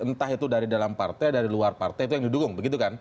entah itu dari dalam partai atau dari luar partai itu yang didukung